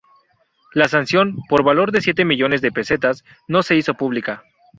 La sanción, por valor de siete millones de pesetas, no se hizo pública.